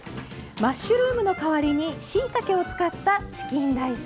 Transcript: マッシュルームの代わりにしいたけを使ったチキンライス。